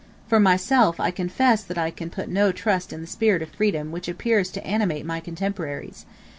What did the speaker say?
For myself, I confess that I put no trust in the spirit of freedom which appears to animate my contemporaries.